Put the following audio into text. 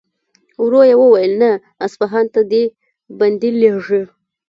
ورو يې وويل: نه! اصفهان ته دې بندې لېږي.